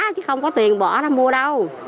chứ không có tiền bỏ ra mua đâu